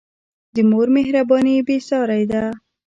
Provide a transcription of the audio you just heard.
د مور مهرباني بېساری ده.